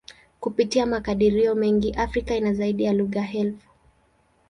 Kupitia makadirio mengi, Afrika ina zaidi ya lugha elfu.